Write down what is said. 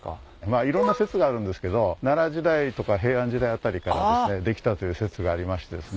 いろんな説があるんですけど奈良時代とか平安時代辺りからできたという説がありましてですね。